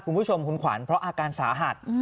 คุณผู้ชมคุณขวัญเพราะอาการสาหัส